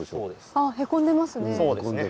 あっへこんでますね。